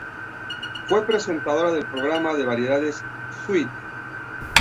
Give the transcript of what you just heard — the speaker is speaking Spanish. Fue presentadora del programa de variedades "Sweet".